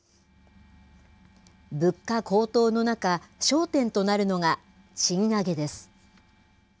物価高騰の中、焦点となるのが、賃上げです。